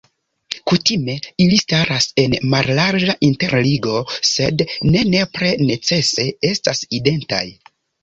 Kutime ili staras en mallarĝa interligo, sed ne nepre necese estas identaj.